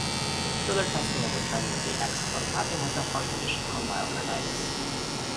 Further testing has determined that the ex-club captain has a heart condition called myocarditis.